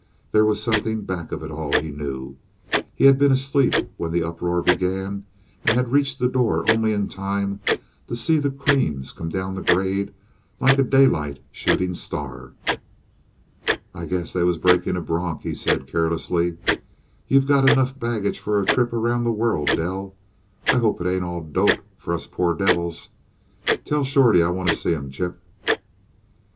There was something back of it all, he knew. He had been asleep when the uproar began, and had reached the door only in time to see the creams come down the grade like a daylight shooting star. "I guess they was breaking a bronk," he said, carelessly; "you've got enough baggage for a trip round the world, Dell. I hope it ain't all dope for us poor devils. Tell Shorty I want t' see him, Chip."